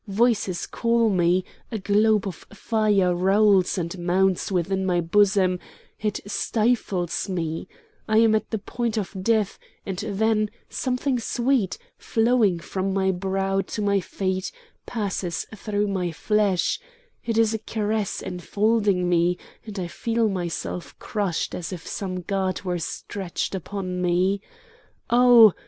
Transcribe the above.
Voices call me, a globe of fire rolls and mounts within my bosom, it stifles me, I am at the point of death; and then, something sweet, flowing from my brow to my feet, passes through my flesh—it is a caress enfolding me, and I feel myself crushed as if some god were stretched upon me. Oh!